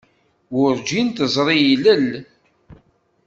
Werǧin teẓri ilel.